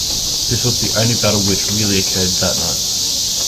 This was the only battle which really occurred that night.